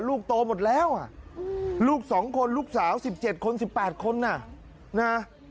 ลูกโตหมดแล้วอ่ะอืมลูกสองคนลูกสาวสิบเจ็ดคนสิบแปดคนน่ะนะฮะ